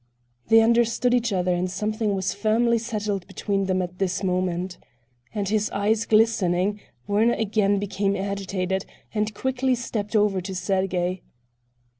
They understood each other and something was firmly settled between them at this moment. And his eyes glistening, Werner again became agitated and quickly stepped over to Sergey.